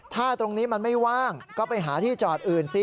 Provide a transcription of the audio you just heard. ถ้าตรงนี้มันไม่ว่างก็ไปหาที่จอดอื่นซิ